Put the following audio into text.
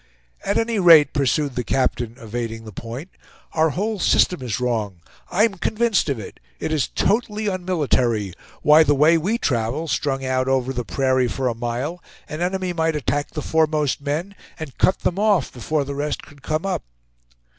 "At any rate," pursued the captain, evading the point, "our whole system is wrong; I'm convinced of it; it is totally unmilitary. Why, the way we travel, strung out over the prairie for a mile, an enemy might attack the foremost men, and cut them off before the rest could come up."